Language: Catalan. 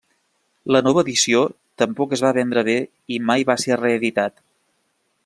La nova edició tampoc es va vendre bé i mai va ser reeditat.